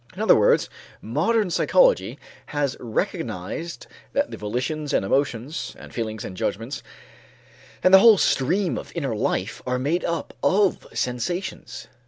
In other words modern psychology has recognized that the volitions and emotions and feelings and judgments, and the whole stream of inner life, are made up of sensations.